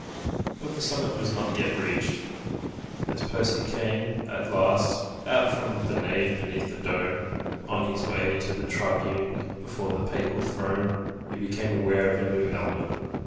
But the summit was not yet reached. As Percy came at last out from the nave beneath the dome, on his way to the tribune beyond the papal throne, he became aware of a new element.